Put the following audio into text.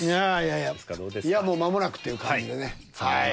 いやもうまもなくっていう感じでねはい。